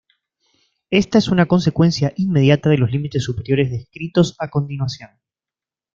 Esta es una consecuencia inmediata de los límites superiores descritos a continuación.